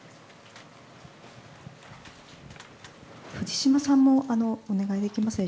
藤島さんもお願いできますか。